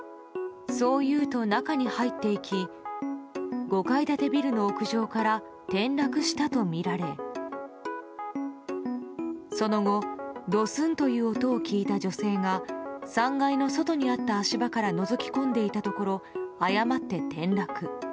そう言うと、中に入っていき５階建てビルの屋上から転落したとみられその後、ドスンという音を聞いた女性が３階の外にあった足場からのぞき込んでいたところ誤って転落。